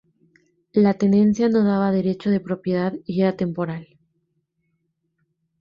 La tenencia no daba derecho de propiedad y era temporal.